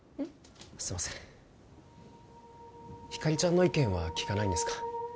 すいませんひかりちゃんの意見は聞かないんですか？